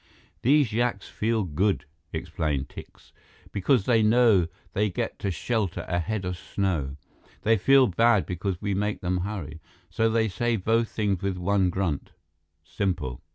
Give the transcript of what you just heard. "These yaks feel good," explained Tikse, "because they know they get to shelter ahead of snow. They feel bad because we make them hurry. So they say both things with one grunt. Simple."